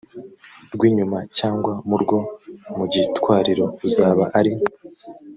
rw inyuma cyangwa mu rwo mu gitwariro uzaba ari